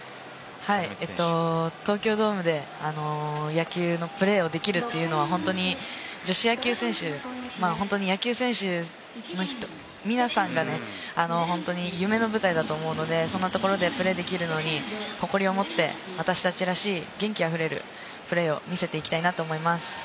東京ドームで野球をプレーができるというのは本当に女子野球選手の皆さんの夢の舞台だと思うので、誇りを持って、私達らしい元気あふれるプレーを見せていきたいなと思います。